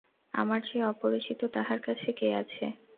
আমার চেয়ে অপরিচিত তাহার কাছে কে আছে?